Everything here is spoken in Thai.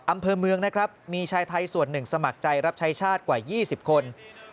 อำเภอเมืองนะครับมีชายไทยส่วนหนึ่งสมัครใจรับใช้ชาติกว่า๒๐คน